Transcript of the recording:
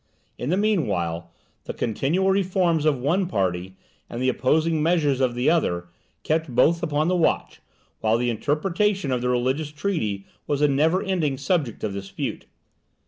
In the meanwhile, the continual reforms of one party, and the opposing measures of the other, kept both upon the watch, while the interpretation of the religious treaty was a never ending subject of dispute.